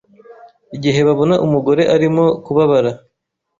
igihe babona umugore arimo kubabara,